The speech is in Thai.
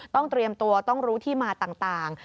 เตรียมตัวต้องรู้ที่มาต่าง